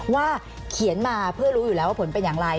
เขียนมาเพื่อรู้อยู่แล้วว่าผลเป็นอย่างไร